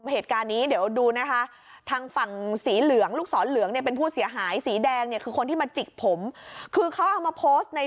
เหตุการณ์นี้เดี๋ยวดูนะคะทางฝั่งสีเหลืองลูกศรเหลืองเนี่ยเป็นผู้เสียหายสีแดงเนี่ยคือคนที่มาจิกผมคือเขาเอามาโพสต์ใน